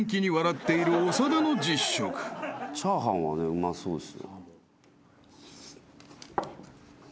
チャーハンはうまそうです。